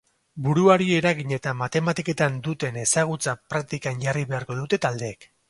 Buruari eragin eta matematiketan duten ezagutza praktikan jarri beharko dute taldeek.